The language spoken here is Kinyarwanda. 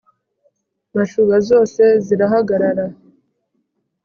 Mashuba zose zirahagarara,